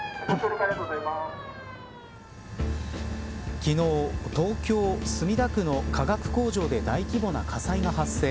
昨日、東京、墨田区の化学工場で大規模な火災が発生。